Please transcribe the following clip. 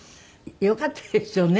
よかったですよね